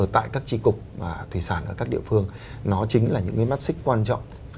tại các tri cục thủy sản ở các địa phương nó chính là những cái mắt xích quan trọng